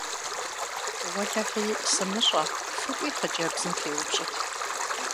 Уэлэхьи, сымыщӏэ, фыкӏуи хъыджэбзым феупщӏыт!